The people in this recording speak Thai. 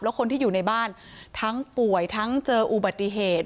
และคนที่อยู่ในบ้านทั้งป่วยทั้งเจออุบัติเหตุ